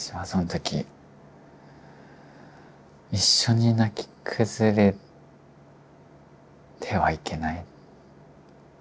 一緒に泣き崩れてはいけない。